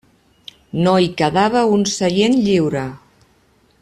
No hi quedava un seient lliure.